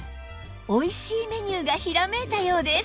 おいしいメニューがひらめいたようです